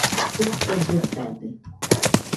Jɨko lletade.